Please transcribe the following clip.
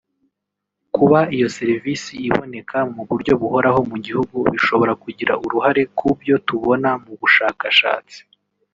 no kuba iyo serivisi iboneka mu buryo buhoraho mu gihugu bishobora kugira uruhare ku byo tubona mu bushakashatsi